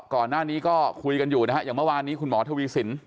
ก่อนหน้านี้ก็คุยกันอยู่นะฮะอย่างเมื่อวานนี้คุณหมอทวีสิน